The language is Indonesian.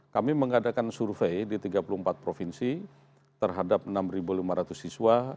kami mengadakan survei di tiga puluh empat provinsi terhadap enam lima ratus siswa